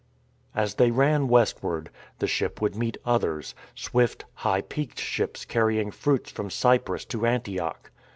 As they ran westward, the ship would meet others — swift, high peaked ships carrying fruits.from Cyprus to Antioch.